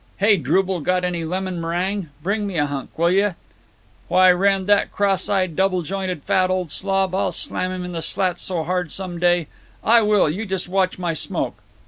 (Hey, Drubel, got any lemon merang? Bring me a hunk, will yuh?) Why, Wrenn, that cross eyed double jointed fat old slob, I'll slam him in the slats so hard some day—I will, you just watch my smoke.